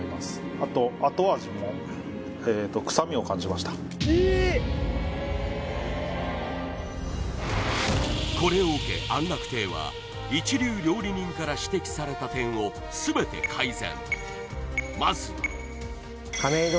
あとこれを受け安楽亭は一流料理人から指摘された点を全て改善